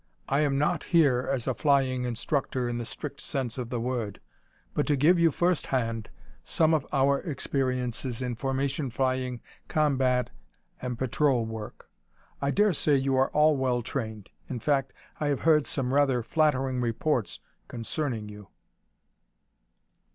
I am not here as a flying instructor, in the strict sense of the word, but to give you, first hand, some of our experiences in formation flying, combat, and patrol work. I dare say you are all well trained. In fact, I have heard some rather flattering reports concerning you."